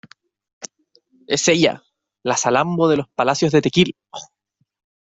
¡ es ella, la Salambó de los palacios de Tequil!...